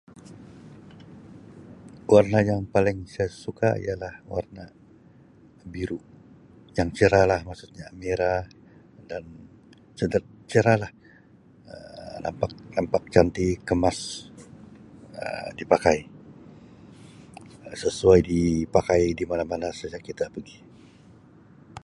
Warna yang paling saya suka ialah warna biru yang cerah lah maksudnya merah dan sedap cerah lah Um nampak nampak cantik kemas Um dipakai sesuai dipakai di mana-mana saja kita pegi.